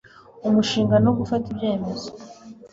umushinga no gufata ibyemezo